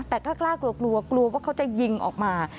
แต่กล้ากลัวกลัวว่าเขาจะยิงออกมา